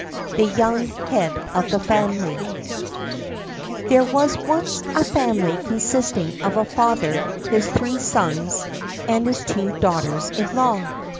The Young Head of the Family There was once a family consisting of a father, his three sons, and his two daughters in law.